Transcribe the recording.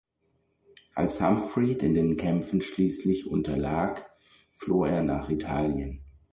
Als Humfried in den Kämpfen schließlich unterlag, floh er nach Italien.